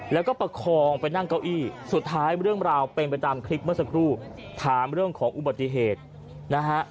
แล้วก็ประคองไปนั่งเก้าอี้สุดท้ายเรื่องราวเป็นไปตามคลิปเมื่อสักครู่ถามเรื่องของอุบัติเหตุนะฮะ